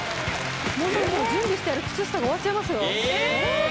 もうそろそろ準備してある靴下が終わっちゃいますよ